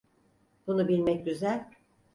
Bunu bilmek güzel.